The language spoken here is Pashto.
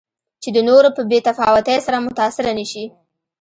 چې د نورو په بې تفاوتۍ سره متأثره نه شي.